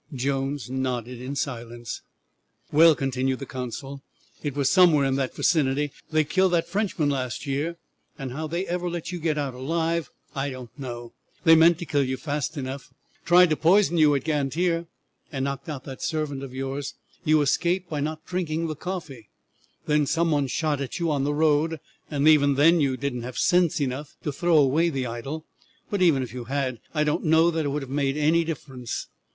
Jones nodded in silence. "Well," continued the consul, "it was somewhere in that vicinity they killed that Frenchman last year, and how they ever let you get out alive I don't know. They meant to kill you fast enough, tried to poison you at Gantier, and knocked out that servant of yours. You escaped by not drinking the coffee. Then some one shot at you on the road, and even then you did not have sense enough to throw away the idol; but even if you had I don't know that it would have made any difference.